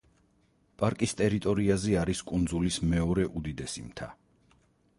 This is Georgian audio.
პარკის ტერიტორიაზე არის კუნძულის მეორე უდიდესი მთა.